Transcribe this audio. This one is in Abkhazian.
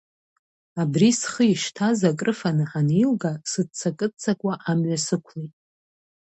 Абри схы ишҭаз, акрыфаны ҳанеилга, сыццакы-ццакуа амҩа сықәлеит.